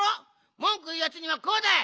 もんくいうやつにはこうだい！